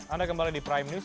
anda kembali di prime news